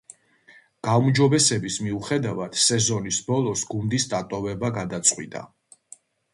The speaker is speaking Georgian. გაუმჯობესების მიუხედავად, სეზონის ბოლოს გუნდის დატოვება გადაწყვიტა.